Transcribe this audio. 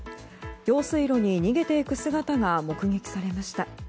用水路に逃げていく姿が目撃されました。